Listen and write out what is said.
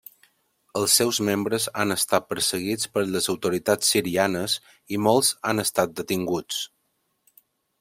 Els seus membres han estat perseguits per les autoritats sirianes i molts han estat detinguts.